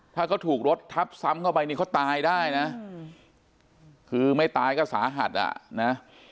ถ้าเขาถูกรถทับซ้ำเข้าไปนี่เขาตายได้นะคือไม่ตายก็สาหัสอ่ะนะ